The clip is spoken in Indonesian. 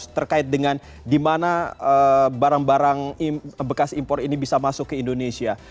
terkait dengan di mana barang barang bekas impor ini bisa masuk ke indonesia